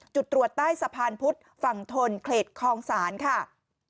จุดตรวจใต้สะพานพุทธฝั่งทนเขตคลองศาลค่ะ